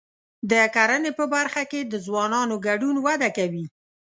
د کرنې په برخه کې د ځوانانو ګډون وده کوي.